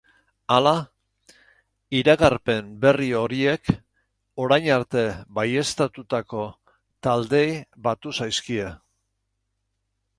Hala, iragarpen berri horiek orain arte baieztatutako taldeei batu zaizkie.